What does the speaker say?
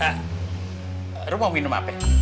hah kamu mau minum apa